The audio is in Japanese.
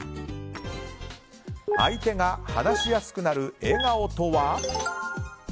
相手が話しやすくなる笑顔とは。